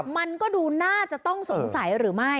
มันก็ดูน่าจะต้องสงสัยหรือไม่